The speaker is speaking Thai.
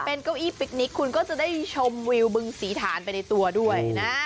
เป็นเก้าอี้ปิ๊กนิกคุณก็จะได้ชมวิวบึงศรีฐานไปในตัวด้วยนะ